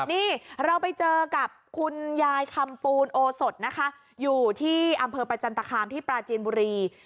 นี่เราไปเจอกับคุณยายคำปูนโอสดนะคะอยู่ที่อำเภอประจันตคามที่ปราจีนบุรี